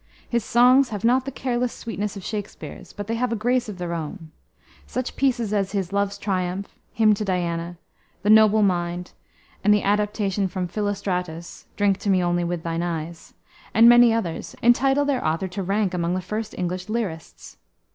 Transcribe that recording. His songs have not the careless sweetness of Shakspere's, but they have a grace of their own. Such pieces as his Love's Triumph, Hymn to Diana, The Noble Mind, and the adaptation from Philostratus, "Drink to me only with thine eyes," and many others entitle their author to rank among the first English lyrists.